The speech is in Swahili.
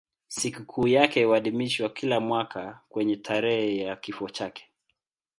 Sikukuu yake huadhimishwa kila mwaka kwenye tarehe ya kifo chake.